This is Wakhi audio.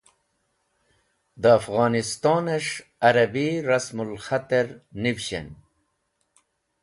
De Afghoniston es̃h Arabi Rasmul Khater Nivshen.